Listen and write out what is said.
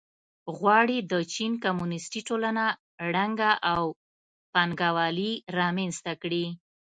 غواړي د چین کمونېستي ټولنه ړنګه او پانګوالي رامنځته کړي.